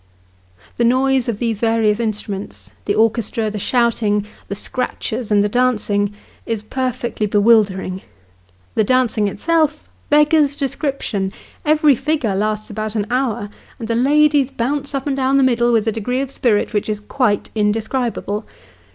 The noise of these various instruments, the orchestra, the shouting, the " scratchers," and the dancing, is perfectly bewildering. The dancing, itself, beggars description every figure lasts about an hour, and the ladies bounce up and down the middle, with a degree of spirit which is quite indescribable.